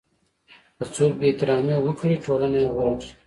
که څوک بې احترامي وکړي ټولنه یې ورټي.